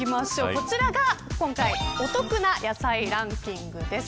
こちらが今回お得な野菜ランキングです。